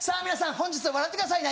本日は笑ってくださいね。